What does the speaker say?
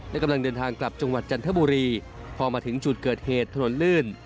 และกำลังเดินทางกลับจังหวัดจันทบุรีพอมาถึงจุดเกิดเหตุถนนลื่น